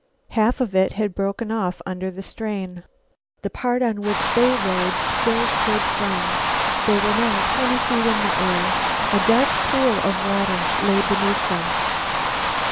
Half of it had broken off under the strain. The part on which they rode still stood firm. They were now twenty feet in air. A dark pool of water lay beneath them.